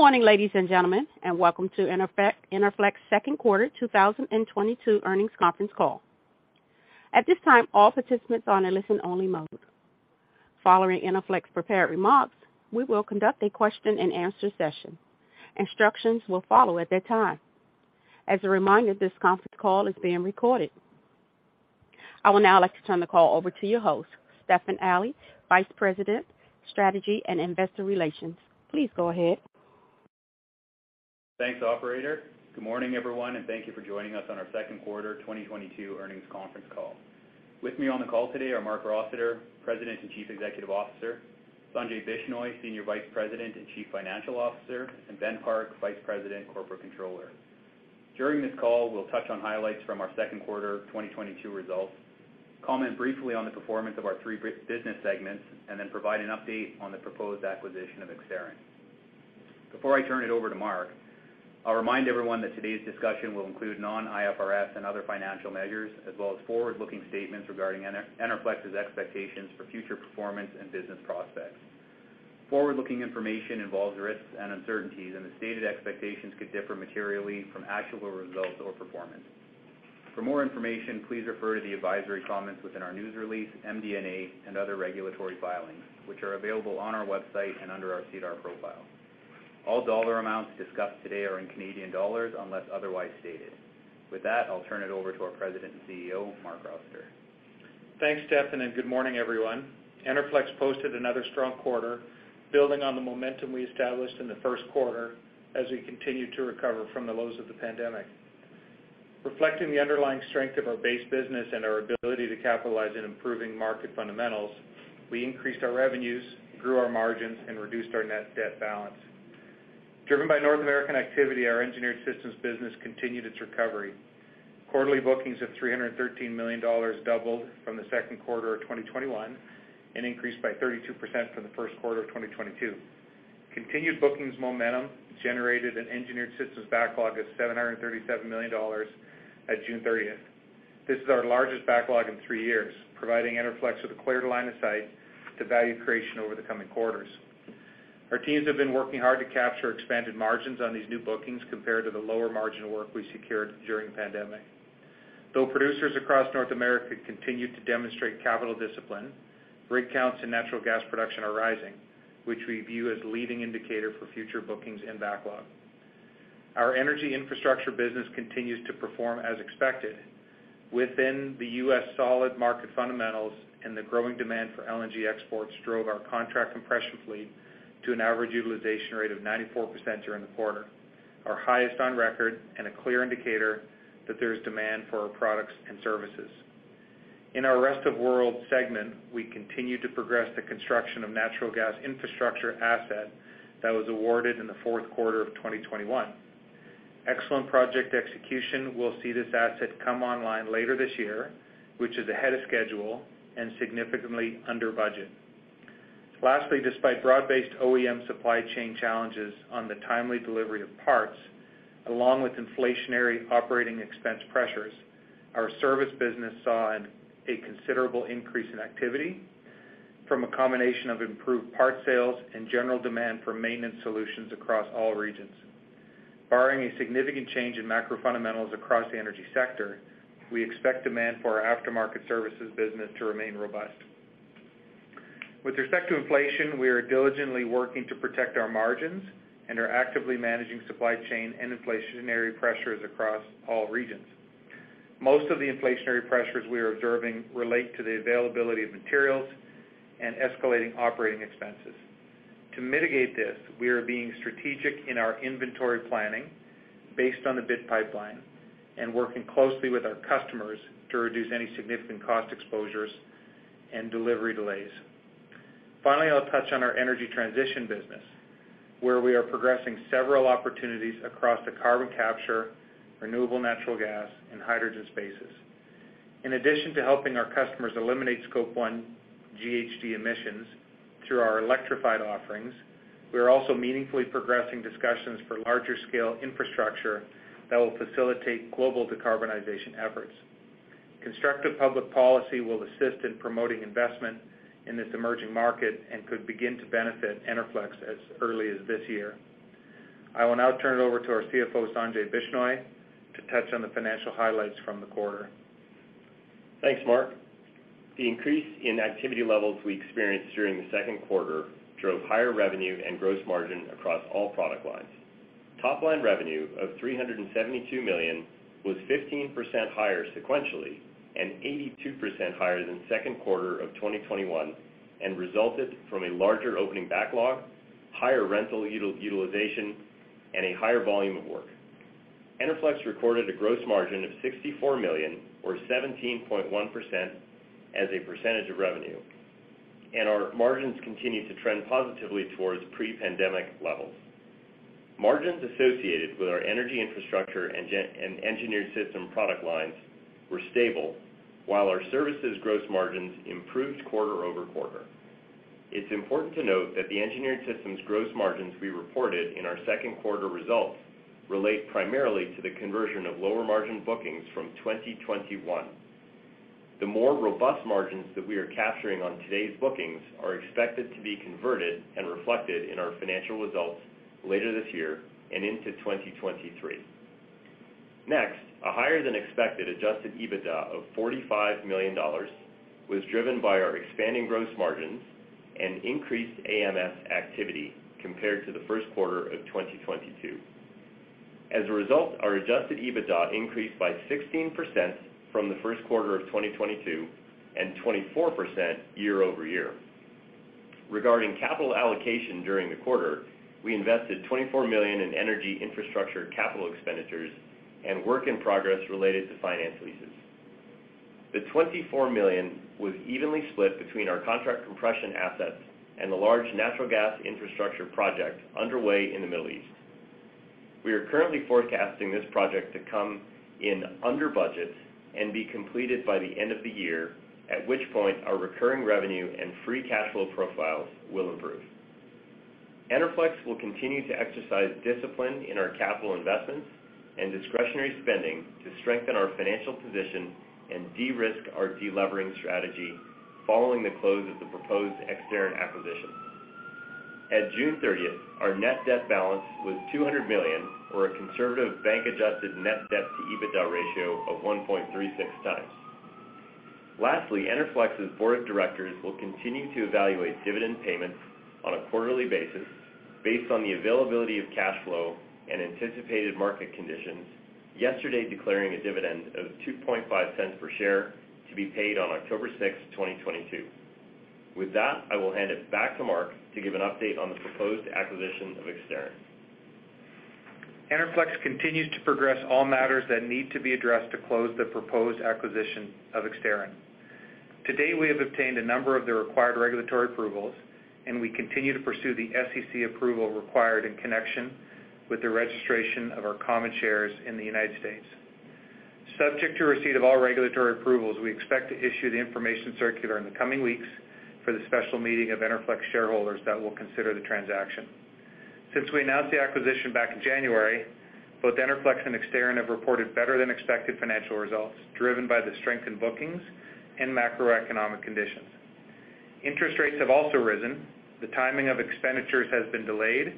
Good morning, ladies and gentlemen, and welcome to Enerflex second quarter 2022 earnings conference call. At this time, all participants are on a listen only mode. Following Enerflex prepared remarks, we will conduct a question and answer session. Instructions will follow at that time. As a reminder, this conference call is being recorded. I would now like to turn the call over to your host, Stefan Ali, Vice President, Strategy and Investor Relations. Please go ahead. Thanks, operator. Good morning, everyone, and thank you for joining us on our second quarter 2022 earnings conference call. With me on the call today are Marc Rossiter, President and Chief Executive Officer, Sanjay Bishnoi, Senior Vice President and Chief Financial Officer, and Ben Park, Vice President, Corporate Controller. During this call, we'll touch on highlights from our second quarter 2022 results, comment briefly on the performance of our three business segments, and then provide an update on the proposed acquisition of Exterran. Before I turn it over to Marc, I'll remind everyone that today's discussion will include non-IFRS and other financial measures as well as forward-looking statements regarding Enerflex's expectations for future performance and business prospects. Forward-looking information involves risks and uncertainties, and the stated expectations could differ materially from actual results or performance. For more information, please refer to the advisory comments within our news release, MD&A and other regulatory filings, which are available on our website and under our SEDAR profile. All dollar amounts discussed today are in Canadian dollars unless otherwise stated. With that, I'll turn it over to our President and CEO, Marc Rossiter. Thanks, Stefan, and good morning, everyone. Enerflex posted another strong quarter building on the momentum we established in the first quarter as we continue to recover from the lows of the pandemic. Reflecting the underlying strength of our base business and our ability to capitalize in improving market fundamentals, we increased our revenues, grew our margins, and reduced our net debt balance. Driven by North American activity, our Engineered Systems business continued its recovery. Quarterly bookings of 313 million dollars doubled from the second quarter of 2021 and increased by 32% from the first quarter of 2022. Continued bookings momentum generated an Engineered Systems backlog of 737 million dollars at June thirtieth. This is our largest backlog in three years, providing Enerflex with a clear line of sight to value creation over the coming quarters. Our teams have been working hard to capture expanded margins on these new bookings compared to the lower margin work we secured during the pandemic. Though producers across North America continued to demonstrate capital discipline, rig counts and natural gas production are rising, which we view as leading indicator for future bookings and backlog. Our Energy Infrastructure business continues to perform as expected with the U.S., solid market fundamentals and the growing demand for LNG exports drove our contract compression fleet to an average utilization rate of 94% during the quarter, our highest on record and a clear indicator that there's demand for our products and services. In our Rest of World segment, we continue to progress the construction of natural gas infrastructure asset that was awarded in the fourth quarter of 2021. Excellent project execution will see this asset come online later this year, which is ahead of schedule and significantly under budget. Lastly, despite broad-based OEM supply chain challenges on the timely delivery of parts, along with inflationary operating expense pressures, our service business saw a considerable increase in activity from a combination of improved part sales and general demand for maintenance solutions across all regions. Barring a significant change in macro fundamentals across the energy sector, we expect demand for our aftermarket services business to remain robust. With respect to inflation, we are diligently working to protect our margins and are actively managing supply chain and inflationary pressures across all regions. Most of the inflationary pressures we are observing relate to the availability of materials and escalating operating expenses. To mitigate this, we are being strategic in our inventory planning based on the bid pipeline and working closely with our customers to reduce any significant cost exposures and delivery delays. Finally, I'll touch on our energy transition business, where we are progressing several opportunities across the carbon capture, renewable natural gas, and hydrogen spaces. In addition to helping our customers eliminate Scope 1 GHG emissions through our electrified offerings, we are also meaningfully progressing discussions for larger scale infrastructure that will facilitate global decarbonization efforts. Constructive public policy will assist in promoting investment in this emerging market and could begin to benefit Enerflex as early as this year. I will now turn it over to our CFO, Sanjay Bishnoi, to touch on the financial highlights from the quarter. Thanks, Marc. The increase in activity levels we experienced during the second quarter drove higher revenue and gross margin across all product lines. Top line revenue of 372 million was 15% higher sequentially and 82% higher than second quarter of 2021 and resulted from a larger opening backlog, higher rental utilization, and a higher volume of work. Enerflex recorded a gross margin of 64 million or 17.1% as a percentage of revenue, and our margins continued to trend positively towards pre-pandemic levels. Margins associated with our Energy Infrastructure and Engineered Systems product lines were stable while our services gross margins improved quarter over quarter. It's important to note that the Engineered Systems gross margins we reported in our second quarter results relate primarily to the conversion of lower margin bookings from 2021. The more robust margins that we are capturing on today's bookings are expected to be converted and reflected in our financial results later this year and into 2023. Next, a higher than expected adjusted EBITDA of 45 million dollars was driven by our expanding gross margins and increased AMS activity compared to the first quarter of 2022. As a result, our adjusted EBITDA increased by 16% from the first quarter of 2022 and 24% year over year. Regarding capital allocation during the quarter, we invested 24 million in Energy Infrastructure capital expenditures and work in progress related to finance leases. The 24 million was evenly split between our contract compression assets and the large natural gas infrastructure project underway in the Middle East. We are currently forecasting this project to come in under budget and be completed by the end of the year, at which point our recurring revenue and free cash flow profiles will improve. Enerflex will continue to exercise discipline in our capital investments and discretionary spending to strengthen our financial position and de-risk our de-levering strategy following the close of the proposed Exterran acquisition. At June 30th, our net debt balance was 200 million or a conservative bank-adjusted net debt to EBITDA ratio of 1.36 times. Lastly, Enerflex's board of directors will continue to evaluate dividend payments on a quarterly basis based on the availability of cash flow and anticipated market conditions, yesterday declaring a dividend of 0.025 per share to be paid on October 6, 2022. With that, I will hand it back to Marc to give an update on the proposed acquisition of Exterran. Enerflex continues to progress all matters that need to be addressed to close the proposed acquisition of Exterran. To date, we have obtained a number of the required regulatory approvals, and we continue to pursue the SEC approval required in connection with the registration of our common shares in the United States. Subject to receipt of all regulatory approvals, we expect to issue the information circular in the coming weeks for the special meeting of Enerflex shareholders that will consider the transaction. Since we announced the acquisition back in January, both Enerflex and Exterran have reported better than expected financial results, driven by the strength in bookings and macroeconomic conditions. Interest rates have also risen. The timing of expenditures has been delayed,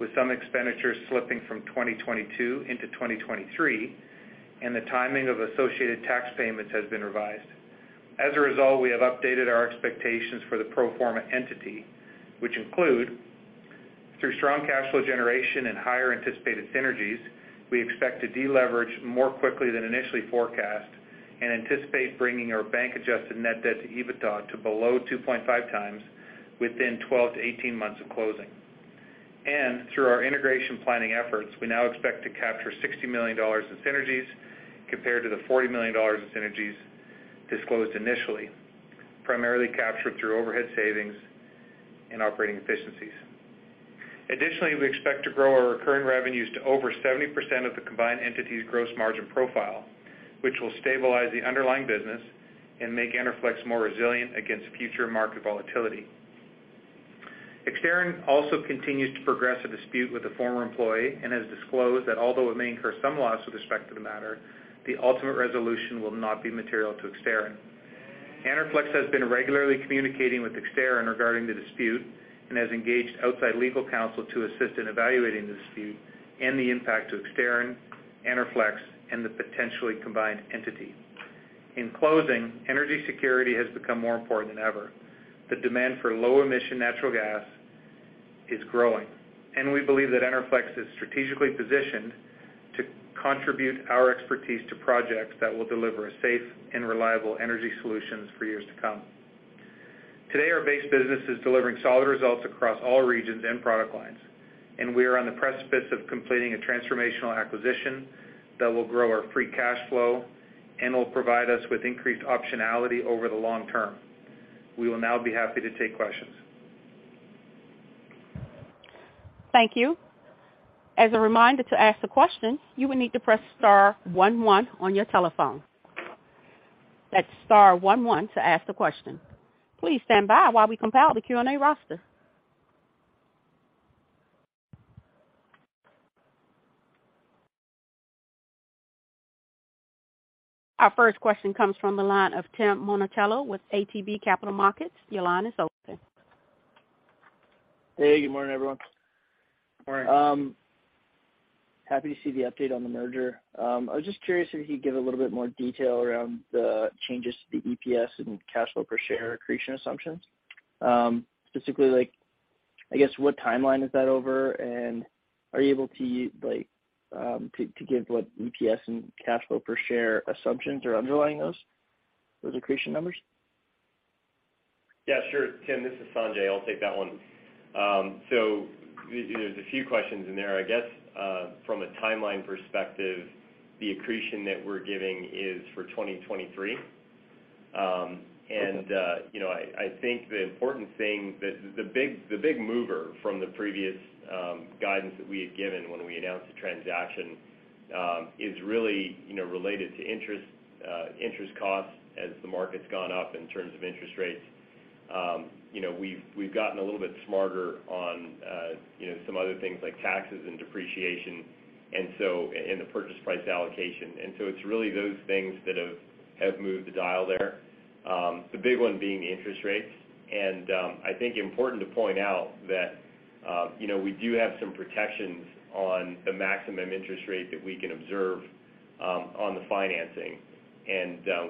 with some expenditures slipping from 2022 into 2023, and the timing of associated tax payments has been revised. As a result, we have updated our expectations for the pro forma entity, which include through strong cash flow generation and higher anticipated synergies, we expect to deleverage more quickly than initially forecast and anticipate bringing our bank-adjusted net debt to EBITDA to below 2.5 times within 12-18 months of closing. Through our integration planning efforts, we now expect to capture $60 million in synergies compared to the $40 million in synergies disclosed initially, primarily captured through overhead savings and operating efficiencies. Additionally, we expect to grow our recurring revenues to over 70% of the combined entity's gross margin profile, which will stabilize the underlying business and make Enerflex more resilient against future market volatility. Exterran also continues to progress a dispute with a former employee and has disclosed that although it may incur some loss with respect to the matter, the ultimate resolution will not be material to Exterran. Enerflex has been regularly communicating with Exterran regarding the dispute and has engaged outside legal counsel to assist in evaluating the dispute and the impact to Exterran, Enerflex, and the potentially combined entity. In closing, energy security has become more important than ever. The demand for low-emission natural gas is growing, and we believe that Enerflex is strategically positioned to contribute our expertise to projects that will deliver a safe and reliable energy solutions for years to come. Today, our base business is delivering solid results across all regions and product lines, and we are on the precipice of completing a transformational acquisition that will grow our free cash flow and will provide us with increased optionality over the long term. We will now be happy to take questions. Thank you. As a reminder to ask the question, you will need to press star one one on your telephone. That's star one one to ask the question. Please stand by while we compile the Q&A roster. Our first question comes from the line of Tim Monachello with ATB Capital Markets. Your line is open. Hey, good morning, everyone. Morning. Happy to see the update on the merger. I was just curious if you could give a little bit more detail around the changes to the EPS and cash flow per share accretion assumptions. Specifically, like, I guess, what timeline is that over? Are you able to, like, to give what EPS and cash flow per share assumptions are underlying those accretion numbers? Yeah, sure. Tim, this is Sanjay. I'll take that one. There's a few questions in there. I guess from a timeline perspective, the accretion that we're giving is for 2023. You know, I think the important thing that the big mover from the previous guidance that we had given when we announced the transaction is really, you know, related to interest costs as the market's gone up in terms of interest rates. You know, we've gotten a little bit smarter on you know, some other things like taxes and depreciation and the purchase price allocation. It's really those things that have moved the dial there. The big one being interest rates. I think important to point out that, you know, we do have some protections on the maximum interest rate that we can observe on the financing.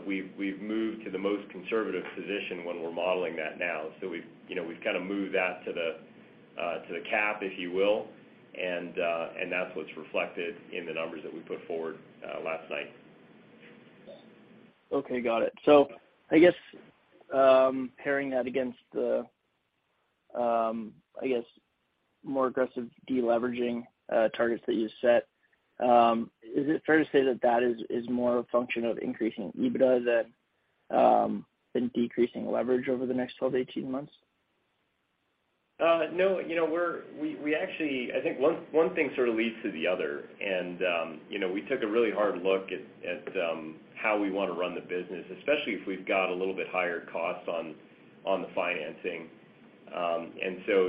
We've moved to the most conservative position when we're modeling that now. We've, you know, kind of moved that to the cap, if you will. That's what's reflected in the numbers that we put forward last night. Okay. Got it. I guess pairing that against the I guess more aggressive deleveraging targets that you set, is it fair to say that is more a function of increasing EBITDA than decreasing leverage over the next 12-18 months? No, you know, we actually I think one thing sort of leads to the other. You know, we took a really hard look at how we wanna run the business, especially if we've got a little bit higher costs on the financing.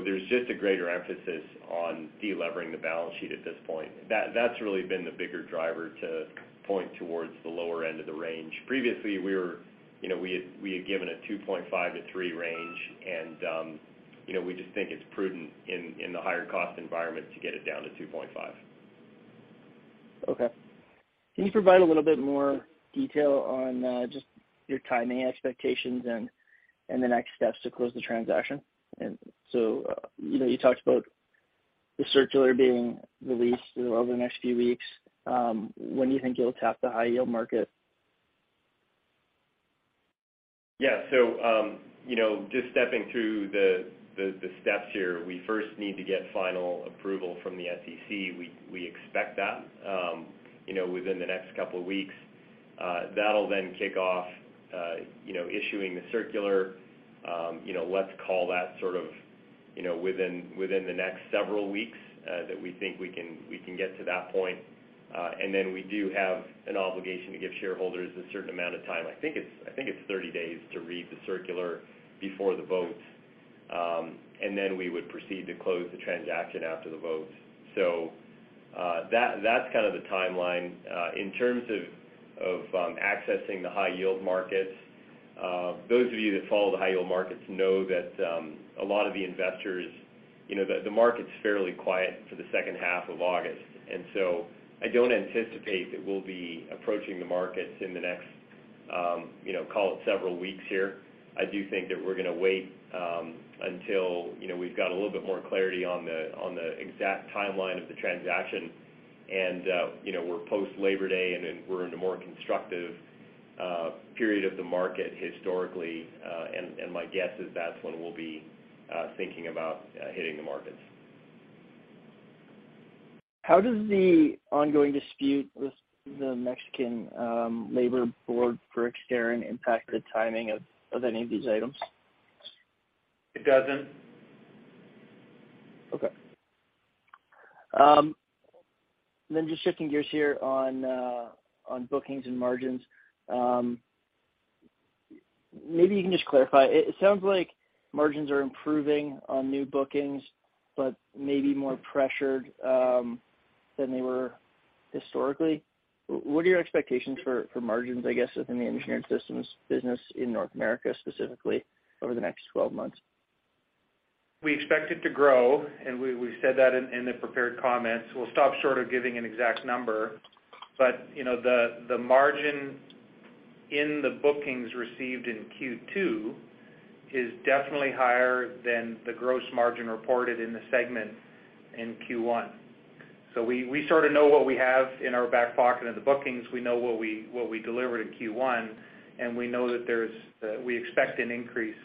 There's just a greater emphasis on de-levering the balance sheet at this point. That's really been the bigger driver to point towards the lower end of the range. Previously, you know, we had given a 2.5-3 range, and you know, we just think it's prudent in the higher cost environment to get it down to 2.5. Okay. Can you provide a little bit more detail on just your timing expectations and the next steps to close the transaction? You know, you talked about the circular being released over the next few weeks. When do you think you'll tap the high yield market? Yeah, you know, just stepping through the steps here, we first need to get final approval from the SEC. We expect that, you know, within the next couple weeks. That'll then kick off, you know, issuing the circular. You know, let's call that sort of, you know, within the next several weeks that we think we can get to that point. And then we do have an obligation to give shareholders a certain amount of time, I think it's 30 days to read the circular before the vote. And then we would proceed to close the transaction after the vote. That's kind of the timeline. In terms of accessing the high yield markets, those of you that follow the high yield markets know that a lot of the investors, you know, the market's fairly quiet for the second half of August, and so I don't anticipate that we'll be approaching the markets in the next, you know, call it several weeks here. I do think that we're gonna wait until, you know, we've got a little bit more clarity on the exact timeline of the transaction. We're post Labor Day, and then we're in a more constructive period of the market historically. My guess is that's when we'll be thinking about hitting the markets. How does the ongoing dispute with the Mexican Labor Board for Exterran impact the timing of any of these items? It doesn't. Okay. Just shifting gears here on bookings and margins. Maybe you can just clarify. It sounds like margins are improving on new bookings, but maybe more pressured than they were historically. What are your expectations for margins, I guess, within the Engineered Systems business in North America, specifically over the next 12 months? We expect it to grow, and we said that in the prepared comments. We'll stop short of giving an exact number. You know, the margin in the bookings received in Q2 is definitely higher than the gross margin reported in the segment in Q1. We sort of know what we have in our back pocket of the bookings. We know what we delivered in Q1, and we know that we expect an increase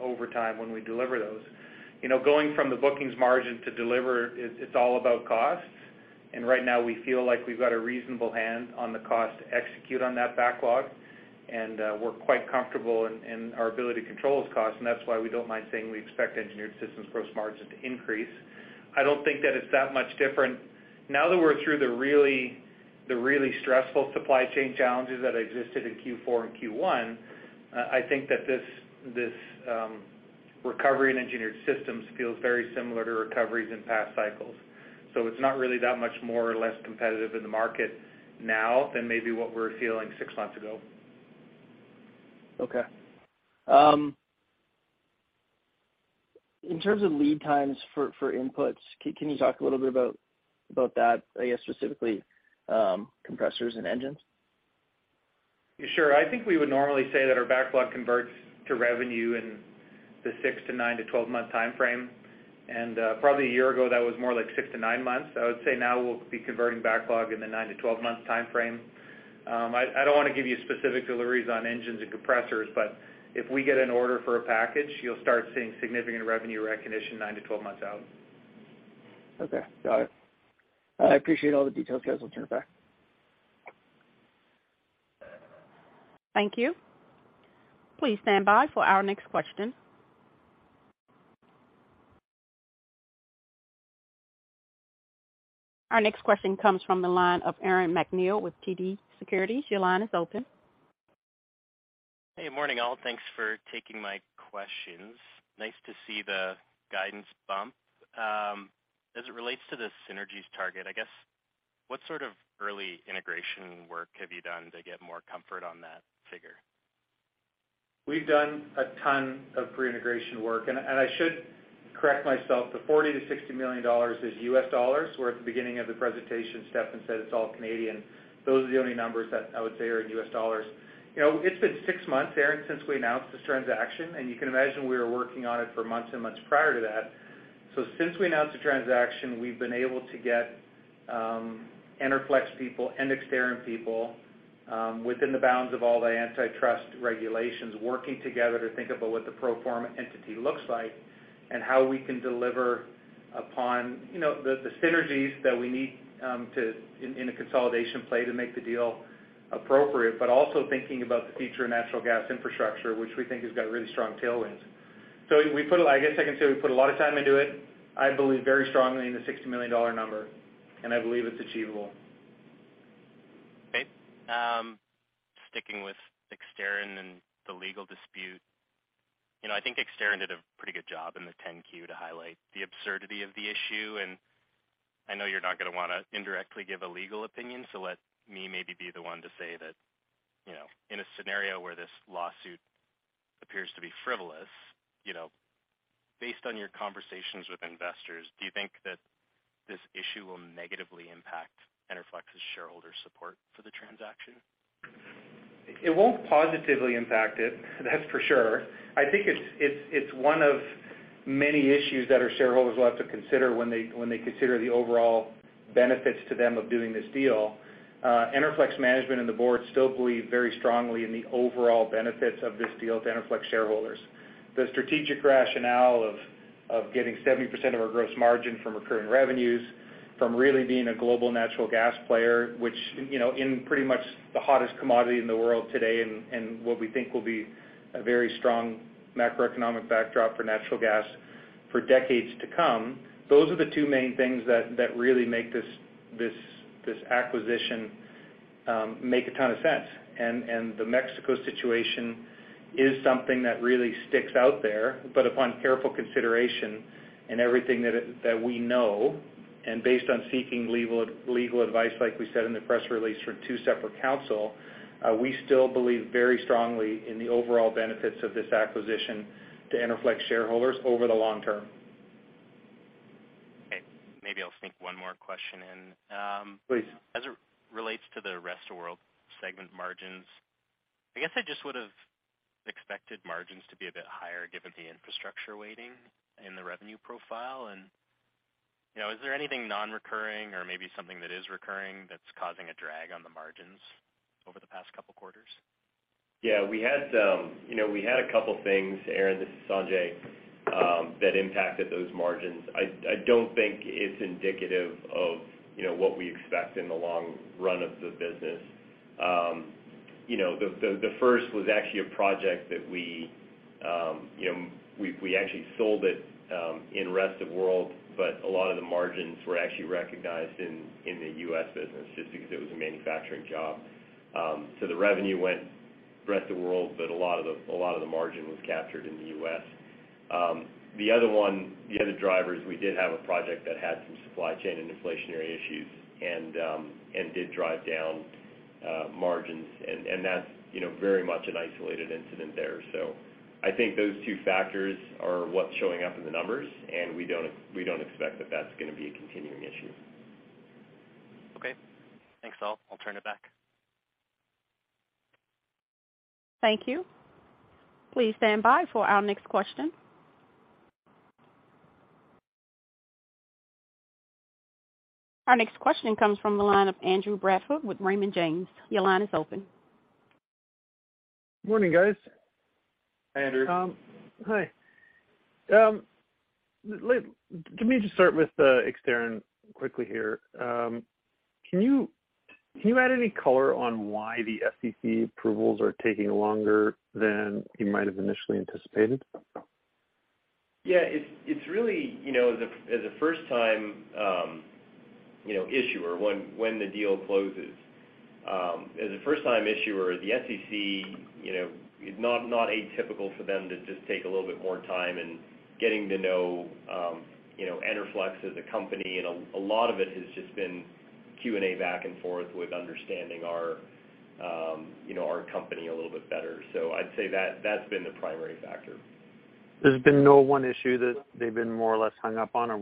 over time when we deliver those. You know, going from the bookings margin to deliver, it's all about cost. Right now we feel like we've got a reasonable hand on the cost to execute on that backlog, and we're quite comfortable in our ability to control those costs. That's why we don't mind saying we expect Engineered Systems gross margin to increase. I don't think that it's that much different. Now that we're through the really stressful supply chain challenges that existed in Q4 and Q1, I think that this recovery in Engineered Systems feels very similar to recoveries in past cycles. It's not really that much more or less competitive in the market now than maybe what we were feeling six months ago. Okay. In terms of lead times for inputs, can you talk a little bit about that? I guess specifically, compressors and engines. Sure. I think we would normally say that our backlog converts to revenue in the six to nine to 12-month timeframe. Probably a year ago, that was more like six to nine months. I would say now we'll be converting backlog in the nine to 12-month timeframe. I don't wanna give you specific deliveries on engines and compressors, but if we get an order for a package, you'll start seeing significant revenue recognition 9-12 months out. Okay. Got it. I appreciate all the details, guys. I'll turn it back. Thank you. Please stand by for our next question. Our next question comes from the line of Aaron MacNeil with TD Securities. Your line is open. Hey, morning, all. Thanks for taking my questions. Nice to see the guidance bump. As it relates to the synergies target, I guess, what sort of early integration work have you done to get more comfort on that figure? We've done a ton of pre-integration work, and I should correct myself. The $40 million-$60 million is U.S. dollars, where at the beginning of the presentation, Stefan said it's all Canadian. Those are the only numbers that I would say are in U.S. dollars. You know, it's been six months, Aaron, since we announced this transaction, and you can imagine we were working on it for months and months prior to that. Since we announced the transaction, we've been able to get Enerflex people and Exterran people within the bounds of all the antitrust regulations, working together to think about what the pro forma entity looks like and how we can deliver upon, you know, the synergies that we need. In a consolidation play to make the deal appropriate, but also thinking about the future of natural gas infrastructure, which we think has got really strong tailwinds. I guess I can say we put a lot of time into it. I believe very strongly in the $60 million number, and I believe it's achievable. Okay. Sticking with Exterran and the legal dispute, you know, I think Exterran did a pretty good job in the 10-Q to highlight the absurdity of the issue, and I know you're not gonna wanna indirectly give a legal opinion, so let me maybe be the one to say that, you know, in a scenario where this lawsuit appears to be frivolous, you know, based on your conversations with investors, do you think that this issue will negatively impact Enerflex's shareholder support for the transaction? It won't positively impact it, that's for sure. I think it's one of many issues that our shareholders will have to consider when they consider the overall benefits to them of doing this deal. Enerflex management and the board still believe very strongly in the overall benefits of this deal to Enerflex shareholders. The strategic rationale of getting 70% of our gross margin from recurring revenues, from really being a global natural gas player, which, you know, in pretty much the hottest commodity in the world today, and what we think will be a very strong macroeconomic backdrop for natural gas for decades to come, those are the two main things that really make this acquisition make a ton of sense. The Mexico situation is something that really sticks out there. Upon careful consideration and everything that we know, and based on seeking legal advice, like we said in the press release from two separate counsel, we still believe very strongly in the overall benefits of this acquisition to Enerflex shareholders over the long term. Okay, maybe I'll sneak one more question in. Please. As it relates to the Rest of World segment margins, I guess I just would've expected margins to be a bit higher given the infrastructure weighting in the revenue profile. You know, is there anything non-recurring or maybe something that is recurring that's causing a drag on the margins over the past couple quarters? Yeah. We had, you know, a couple things, Aaron, this is Sanjay, that impacted those margins. I don't think it's indicative of, you know, what we expect in the long run of the business. You know, the first was actually a project that we, you know, we actually sold it in Rest of World, but a lot of the margins were actually recognized in the U.S. business just because it was a manufacturing job. So the revenue went Rest of World, but a lot of the margin was captured in the U.S. The other one, the other driver is we did have a project that had some supply chain and inflationary issues and did drive down margins and that's, you know, very much an isolated incident there. I think those two factors are what's showing up in the numbers, and we don't expect that that's gonna be a continuing issue. Okay. Thanks, all. I'll turn it back. Thank you. Please stand by for our next question. Our next question comes from the line of Andrew Bradford with Raymond James. Your line is open. Morning, guys. Hi, Andrew. wme just start with Exterran quickly here. Can you add any color on why the SEC approvals are taking longer than you might have initially anticipated? Yeah. It's really, you know, as a first-time issuer, when the deal closes, as a first-time issuer, the SEC, you know, it's not atypical for them to just take a little bit more time in getting to know, you know, Enerflex as a company, and a lot of it has just been Q&A back and forth with understanding our, you know, our company a little bit better. So I'd say that's been the primary factor. There's been no one issue that they've been more or less hung up on or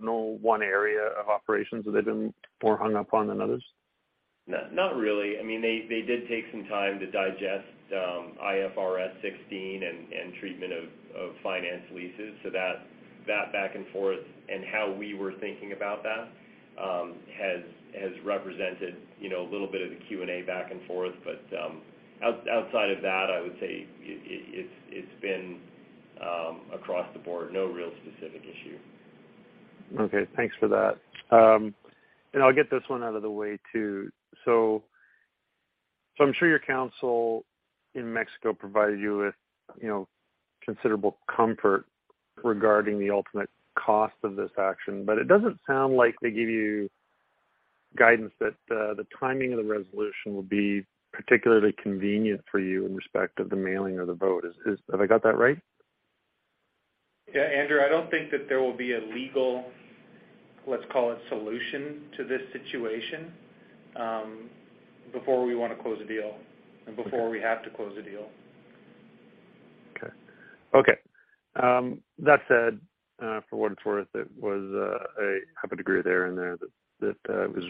no one area of operations that they've been more hung up on than others? Not really. I mean, they did take some time to digest IFRS 16 and treatment of finance leases. That back and forth and how we were thinking about that has represented, you know, a little bit of the Q&A back and forth. Outside of that, I would say it's been across the board, no real specific issue. Okay, thanks for that. I'll get this one out of the way, too. I'm sure your counsel in Mexico provided you with, you know, considerable comfort regarding the ultimate cost of this action, but it doesn't sound like they give you guidance that, the timing of the resolution will be particularly convenient for you in respect of the mailing or the vote. Have I got that right? Yeah, Andrew, I don't think that there will be a legal, let's call it solution to this situation before we wanna close the deal and before we have to close the deal. That said, for what it's worth, I happen to agree with Aaron there that it was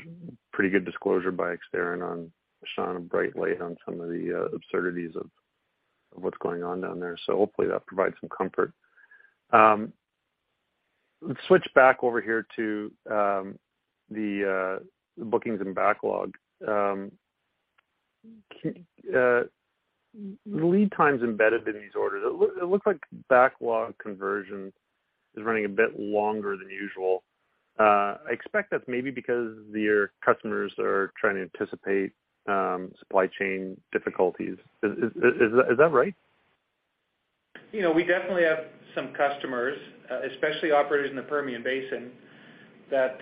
pretty good disclosure by Exterran on shining a bright light on some of the absurdities of what's going on down there. Hopefully that provides some comfort. Let's switch back over here to the bookings and backlog. Lead times embedded in these orders. It looks like backlog conversion is running a bit longer than usual. I expect that's maybe because your customers are trying to anticipate supply chain difficulties. Is that right? You know, we definitely have some customers, especially operators in the Permian Basin, that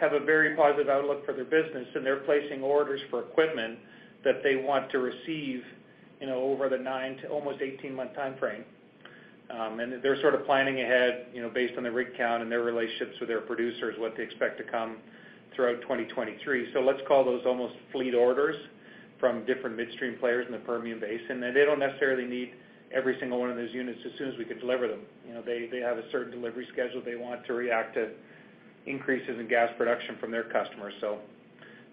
have a very positive outlook for their business, and they're placing orders for equipment that they want to receive, you know, over the nine to almost 18-month timeframe. They're sort of planning ahead, you know, based on the rig count and their relationships with their producers, what they expect to come throughout 2023. Let's call those almost fleet orders from different midstream players in the Permian Basin. They don't necessarily need every single one of those units as soon as we can deliver them. You know, they have a certain delivery schedule they want to react to increases in gas production from their customers.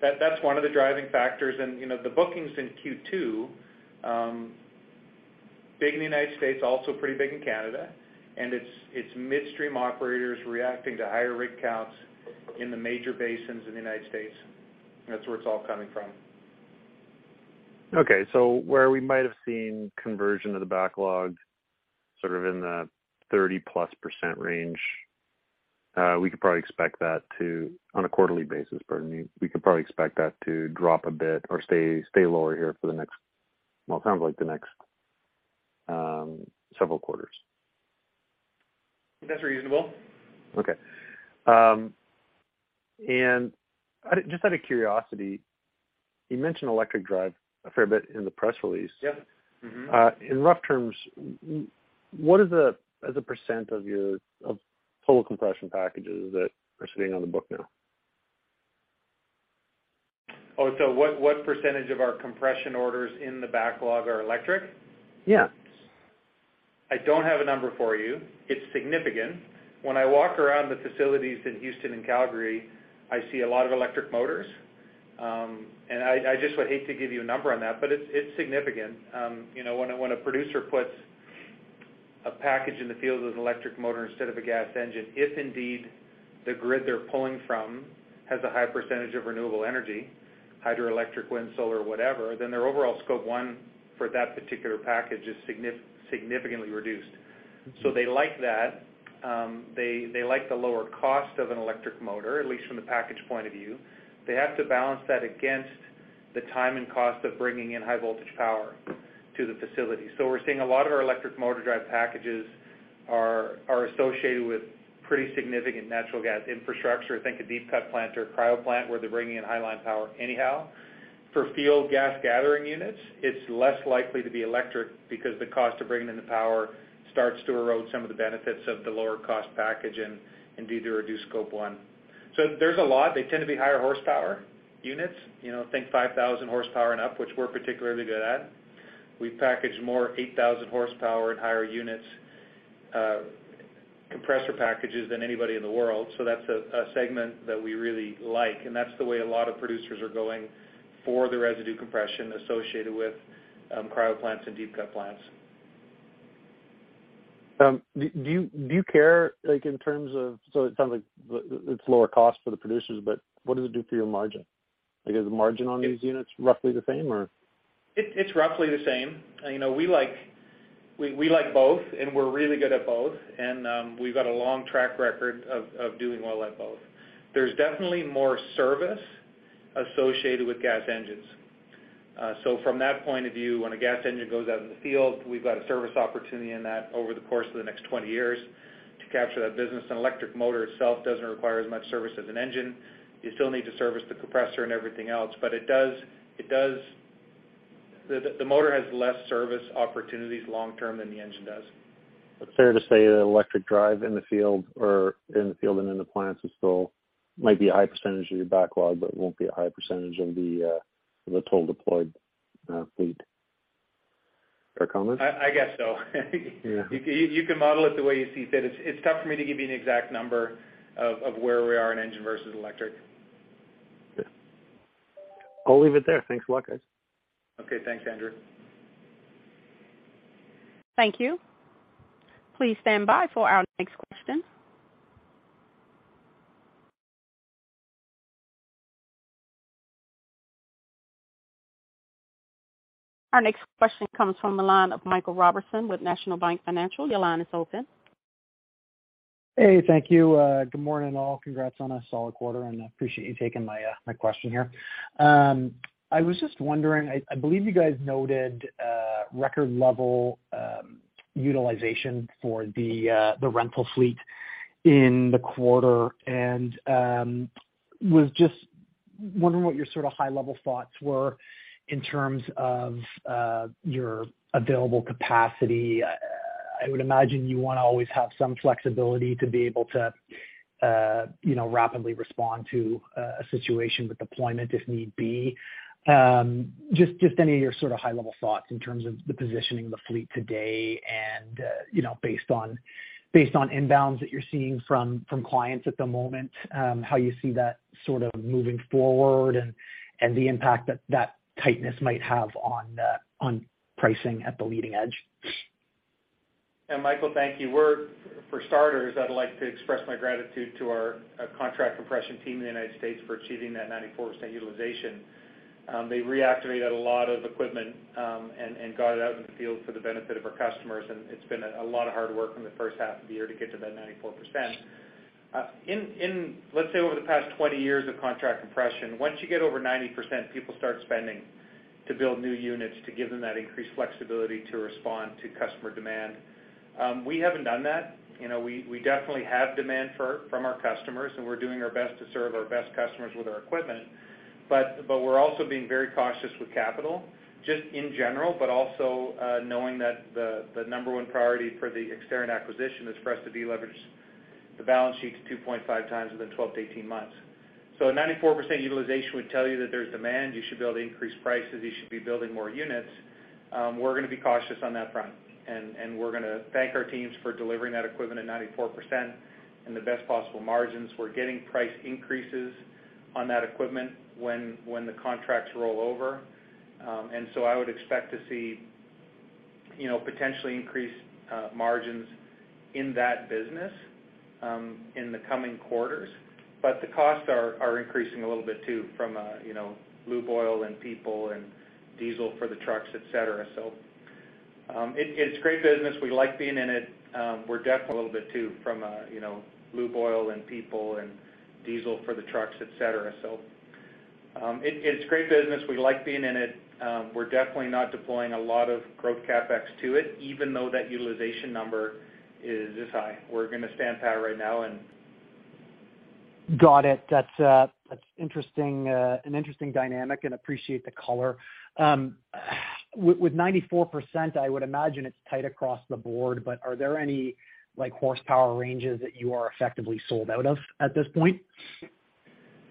That's one of the driving factors. You know, the bookings in Q2, big in the United States, also pretty big in Canada. It's midstream operators reacting to higher rig counts in the major basins in the United States. That's where it's all coming from. Okay. Where we might have seen conversion of the backlog sort of in the 30%+ range, on a quarterly basis, pardon me, we could probably expect that to drop a bit or stay lower here for the next, well, it sounds like the next, several quarters. That's reasonable. Okay. Just out of curiosity, you mentioned electric drive a fair bit in the press release. Yeah. Mm-hmm. In rough terms, what is the as a percent of total compression packages that are sitting on the book now? What percentage of our compression orders in the backlog are electric? Yeah. I don't have a number for you. It's significant. When I walk around the facilities in Houston and Calgary, I see a lot of electric motors. I just would hate to give you a number on that, but it's significant. You know, when a producer puts a package in the field with an electric motor instead of a gas engine, if indeed the grid they're pulling from has a high percentage of renewable energy, hydroelectric, wind, solar, whatever, then their overall Scope 1 for that particular package is significantly reduced. They like that. They like the lower cost of an electric motor, at least from the package point of view. They have to balance that against the time and cost of bringing in high voltage power to the facility. We're seeing a lot of our electric motor drive packages are associated with pretty significant natural gas infrastructure. Think a deep cut plant or a cryo plant where they're bringing in high line power anyhow. For field gas gathering units, it's less likely to be electric because the cost of bringing in the power starts to erode some of the benefits of the lower cost package and, indeed, the reduced Scope 1. There's a lot. They tend to be higher horsepower units. You know, think 5,000 horsepower and up, which we're particularly good at. We package more 8,000 horsepower and higher units, compressor packages than anybody in the world, so that's a segment that we really like. That's the way a lot of producers are going for the residue compression associated with, cryo plants and deep cut plants. Do you care, like, in terms of. It sounds like it's lower cost for the producers, but what does it do for your margin? Like, is the margin on these units roughly the same or? It's roughly the same. You know, we like both, and we're really good at both. We've got a long track record of doing well at both. There's definitely more service associated with gas engines. From that point of view, when a gas engine goes out in the field, we've got a service opportunity in that over the course of the next 20 years to capture that business. An electric motor itself doesn't require as much service as an engine. You still need to service the compressor and everything else, but it does. The motor has less service opportunities long term than the engine does. It's fair to say that electric drive in the field and in the plants is still might be a high percentage of your backlog, but it won't be a high percentage of the total deployed fleet. Fair comment? I guess so. Yeah. You can model it the way you see fit. It's tough for me to give you an exact number of where we are in engine versus electric. Okay. I'll leave it there. Thanks a lot, guys. Okay. Thanks, Andrew. Thank you. Please stand by for our next question. Our next question comes from the line of Michael Robertson with National Bank Financial. Your line is open. Hey, thank you. Good morning, all. Congrats on a solid quarter, and I appreciate you taking my question here. I was just wondering, I believe you guys noted record level utilization for the rental fleet in the quarter. I was just wondering what your sort of high-level thoughts were in terms of your available capacity. I would imagine you wanna always have some flexibility to be able to you know, rapidly respond to a situation with deployment if need be. Just any of your sort of high-level thoughts in terms of the positioning of the fleet today and, you know, based on inbounds that you're seeing from clients at the moment, how you see that sort of moving forward and the impact that that tightness might have on pricing at the leading edge? Yeah, Michael, thank you. For starters, I'd like to express my gratitude to our contract compression team in the United States for achieving that 94% utilization. They reactivated a lot of equipment and got it out in the field for the benefit of our customers, and it's been a lot of hard work in the first half of the year to get to that 94%. In, let's say, over the past 20 years of contract compression, once you get over 90%, people start spending to build new units to give them that increased flexibility to respond to customer demand. We haven't done that. You know, we definitely have demand from our customers, and we're doing our best to serve our best customers with our equipment. We're also being very cautious with capital, just in general, but also knowing that the number one priority for the Exterran acquisition is for us to deleverage the balance sheet to 2.5 times within 12-18 months. A 94% utilization would tell you that there's demand, you should be able to increase prices, you should be building more units. We're gonna be cautious on that front, and we're gonna thank our teams for delivering that equipment at 94% and the best possible margins. We're getting price increases on that equipment when the contracts roll over. I would expect to see, you know, potentially increased margins in that business in the coming quarters. The costs are increasing a little bit too from you know lube oil and people and diesel for the trucks, et cetera. It's great business. We like being in it. We're definitely not deploying a lot of growth CapEx to it, even though that utilization number is this high. We're gonna stand pat right now and. Got it. That's interesting, an interesting dynamic and appreciate the color. With 94%, I would imagine it's tight across the board, but are there any, like, horsepower ranges that you are effectively sold out of at this point?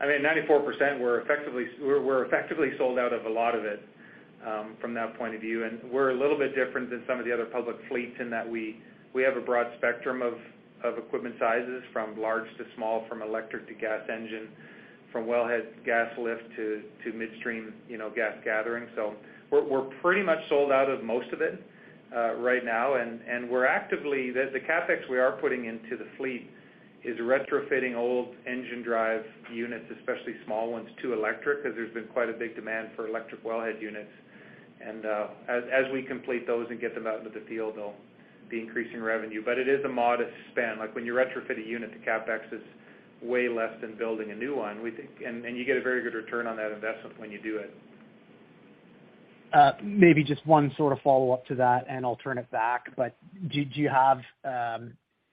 I mean, 94%, we're effectively sold out of a lot of it, from that point of view. We're a little bit different than some of the other public fleets in that we have a broad spectrum of equipment sizes from large to small, from electric to gas engine, from wellhead gas lift to midstream, you know, gas gathering. We're pretty much sold out of most of it right now. The CapEx we are putting into the fleet is retrofitting old engine drive units, especially small ones, to electric, 'cause there's been quite a big demand for electric wellhead units. As we complete those and get them out into the field, they'll be increasing revenue. It is a modest spend. Like when you retrofit a unit, the CapEx is way less than building a new one. You get a very good return on that investment when you do it. Maybe just one sort of follow-up to that, and I'll turn it back. Do you have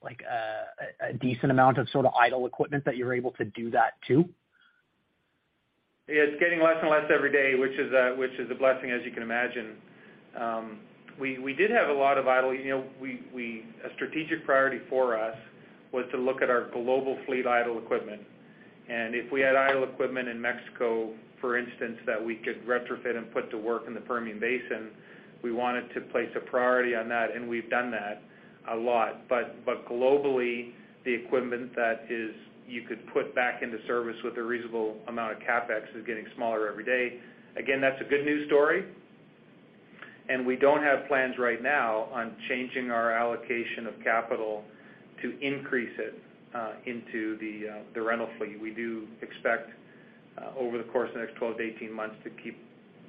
like a decent amount of sort of idle equipment that you're able to do that to? It's getting less and less every day, which is a blessing, as you can imagine. We did have a lot of idle. A strategic priority for us was to look at our global fleet idle equipment. If we had idle equipment in Mexico, for instance, that we could retrofit and put to work in the Permian Basin, we wanted to place a priority on that, and we've done that a lot. Globally, the equipment that you could put back into service with a reasonable amount of CapEx is getting smaller every day. That's a good news story. We don't have plans right now on changing our allocation of capital to increase it into the rental fleet. We do expect over the course of the next 12-18 months to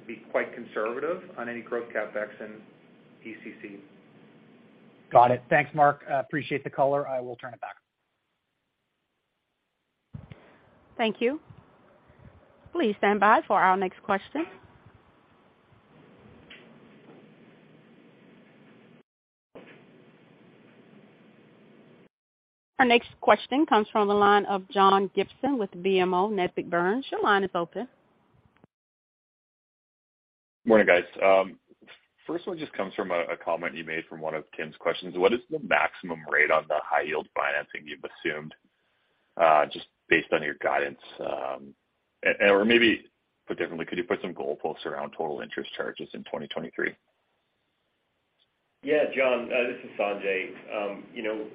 be quite conservative on any growth CapEx and ECC. Got it. Thanks, Marc. I appreciate the color. I will turn it back. Thank you. Please stand by for our next question. Our next question comes from the line of John Gibson with BMO Nesbitt Burns. Your line is open. Morning, guys. First one just comes from a comment you made from one of Tim's questions. What is the maximum rate on the high-yield financing you've assumed, just based on your guidance? Maybe put differently, could you put some goalposts around total interest charges in 2023? Yeah, John, this is Sanjay. You know,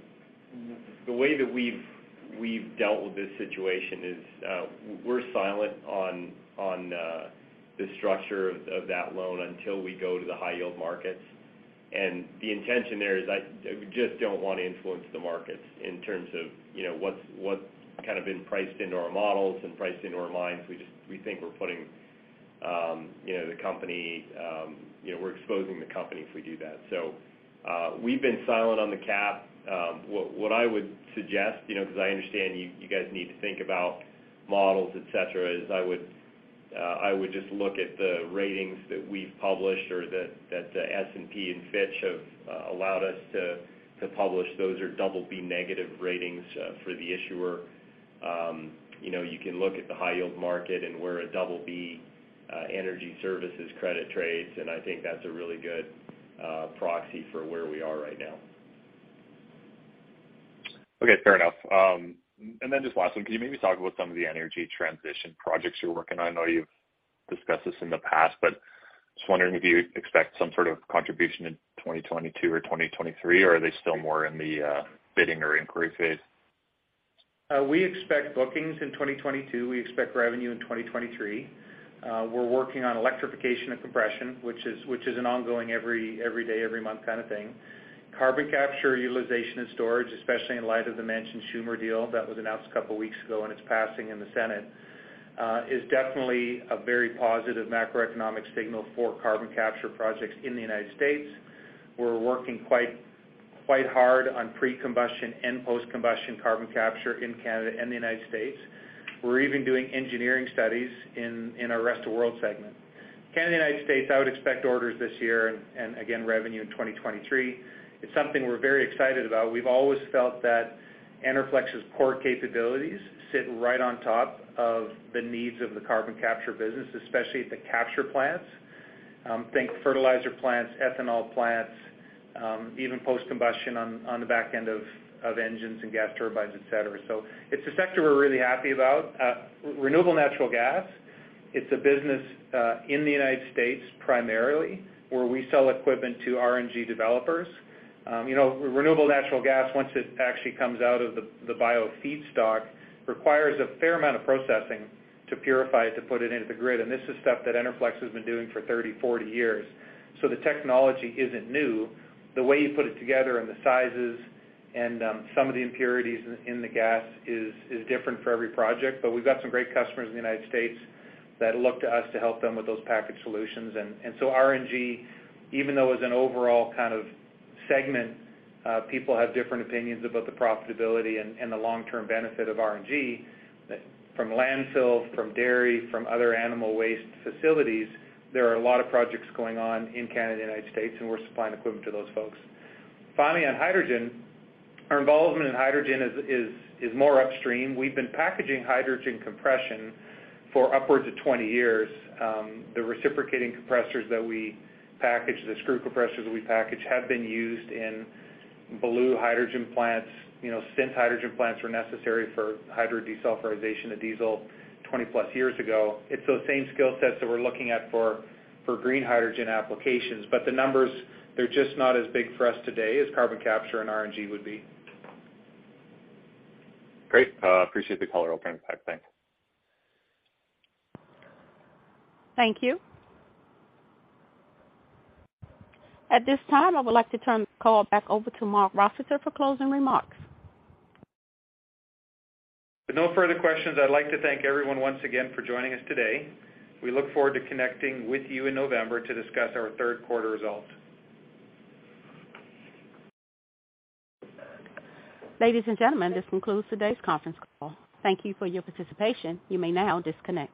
the way that we've dealt with this situation is, we're silent on the structure of that loan until we go to the high-yield markets. The intention there is I just don't want to influence the markets in terms of, you know, what's kind of been priced into our models and priced into our minds. We just think we're putting the company, you know, we're exposing the company if we do that. We've been silent on the cap. What I would suggest, you know, 'cause I understand you guys need to think about models, et cetera, is I would just look at the ratings that we've published or that S&P and Fitch have allowed us to publish. Those are double B negative ratings for the issuer. You know, you can look at the high yield market and where a double B energy services credit trades, and I think that's a really good proxy for where we are right now. Okay. Fair enough. Just last one, can you maybe talk about some of the energy transition projects you're working on? I know you've discussed this in the past, but just wondering if you expect some sort of contribution in 2022 or 2023, or are they still more in the bidding or inquiry phase? We expect bookings in 2022. We expect revenue in 2023. We're working on electrification and compression, which is an ongoing every day, every month kind of thing. Carbon capture utilization and storage, especially in light of the Manchin-Schumer deal that was announced a couple weeks ago and its passing in the Senate, is definitely a very positive macroeconomic signal for carbon capture projects in the United States. We're working quite hard on pre-combustion and post-combustion carbon capture in Canada and the United States. We're even doing engineering studies in our Rest of World segment. Canada and United States, I would expect orders this year and again, revenue in 2023. It's something we're very excited about. We've always felt that Enerflex's core capabilities sit right on top of the needs of the carbon capture business, especially at the capture plants. Think fertilizer plants, ethanol plants, even post-combustion on the back end of engines and gas turbines, et cetera. It's a sector we're really happy about. Renewable natural gas, it's a business in the United States primarily, where we sell equipment to RNG developers. You know, renewable natural gas, once it actually comes out of the bio feedstock, requires a fair amount of processing to purify it to put it into the grid. This is stuff that Enerflex has been doing for 30, 40 years, so the technology isn't new. The way you put it together and the sizes and some of the impurities in the gas is different for every project. We've got some great customers in the United States that look to us to help them with those packaged solutions. RNG, even though as an overall kind of segment, people have different opinions about the profitability and the long-term benefit of RNG, from landfills, from dairy, from other animal waste facilities, there are a lot of projects going on in Canada and United States, and we're supplying equipment to those folks. Finally, on hydrogen, our involvement in hydrogen is more upstream. We've been packaging hydrogen compression for upwards of 20 years. The reciprocating compressors that we package, the screw compressors that we package, have been used in blue hydrogen plants. You know, since hydrogen plants were necessary for hydrodesulfurization of diesel 20+ years ago. It's those same skill sets that we're looking at for green hydrogen applications. The numbers, they're just not as big for us today as carbon capture and RNG would be. Great. Appreciate the color, I'll turn it back. Thanks. Thank you. At this time, I would like to turn the call back over to Marc Rossiter for closing remarks. With no further questions, I'd like to thank everyone once again for joining us today. We look forward to connecting with you in November to discuss our third quarter results. Ladies and gentlemen, this concludes today's conference call. Thank you for your participation. You may now disconnect.